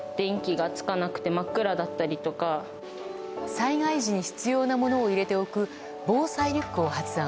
災害時に必要なものを入れておく、防災リュックを発案。